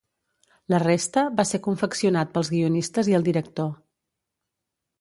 La resta va ser confeccionat pels guionistes i el director.